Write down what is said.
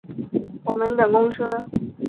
我们等公车